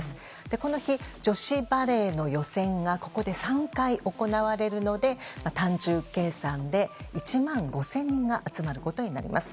この日、女子バレーの予選がここで３回、行われるので単純計算で１万５０００人が集まることになります。